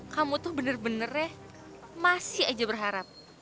kamu tuh bener bener masih aja berharap